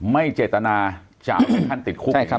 ไม่เจตนาจะเอาท่านติดคุก